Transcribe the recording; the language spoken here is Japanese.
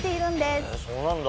へぇそうなんだ。